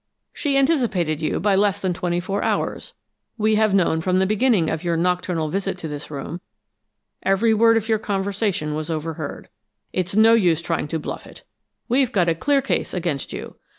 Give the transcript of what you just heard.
"She anticipated you by less than twenty four hours. We have known from the beginning of your nocturnal visit to this room; every word of your conversation was overheard. It's no use trying to bluff it; we've got a clear case against you."